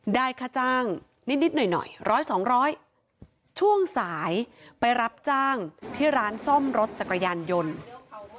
ได้ค่าจ้างนิดหน่อยหน่อย๑๐๐๒๐๐ช่วงสายไปรับจ้างที่ร้านซ่อมรถจักรยานยนต์